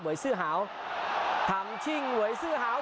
เวย์ซื่อหาวทำชิงเวย์ซื่อหาว